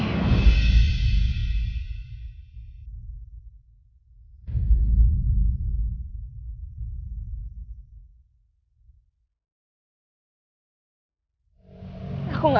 tunggu aku nangis